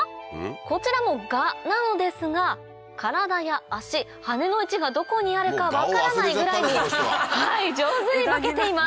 こちらもガなのですが体や足羽の位置がどこにあるか分からないぐらいに上手に化けています